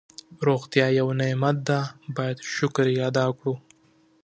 روغتیا یو نعمت ده باید شکر یې ادا کړو.